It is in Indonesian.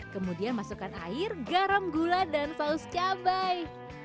kemudian masukkan air garam gula dan saus cabai